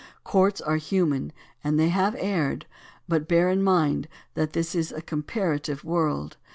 Courts are human and they have erred, but bear in mind that this is a comparative world.